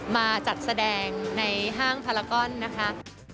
มาจัดแสดงในห้างพารากอนนะคะ